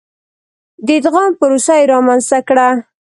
د ادغام پروسه یې رامنځته کړه.